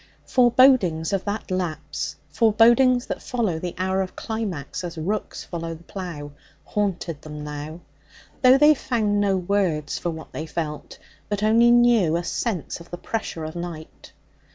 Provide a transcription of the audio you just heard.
Forebodings of that lapse forebodings that follow the hour of climax as rooks follow the plough haunted them now, though they found no words for what they felt, but only knew a sense of the pressure of night.